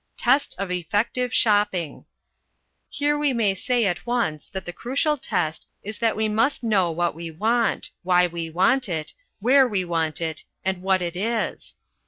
TEST OF EFFECTIVE SHOPPING Here we may say at once that the crucial test is that we must know what we want, why we want it, where we want it, and what it is.